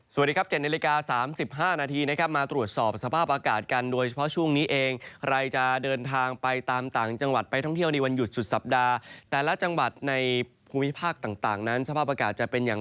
สวัสดีครับเจ็ดนั้น